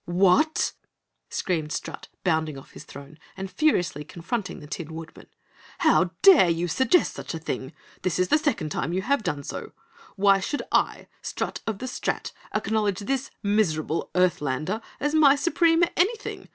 "What?" screamed Strut, bounding off his throne and furiously confronting the Tin Woodman. "How DARE you suggest such a thing? This is the second time you have done so! Why should I, Strut of the Strat, acknowledge this miserable earthlander as my supreme anything?